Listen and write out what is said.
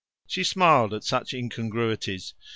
She smiled at such incongruities.